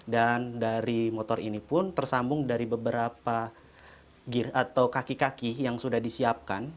dan dari motor ini pun tersambung dari beberapa gear atau kaki kaki yang sudah disiapkan